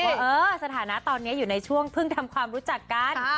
เออสถานะตอนนี้อยู่ในช่วงเพิ่งทำความรู้จักกัน